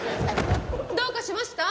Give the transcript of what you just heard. どうかしました？